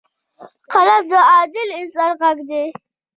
قلم د عادل انسان غږ دی